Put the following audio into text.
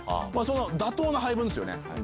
妥当な配分ですよね。